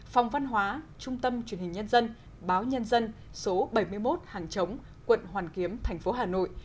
phòng văn hóa trung tâm truyền hình nhân dân báo nhân dân số bảy mươi một hàng chống quận hoàn kiếm thành phố hà nội